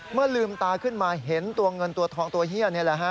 เมื่อลืมตาขึ้นมาเห็นตัวเงินตัวทองตัวเฮียนี่แหละฮะ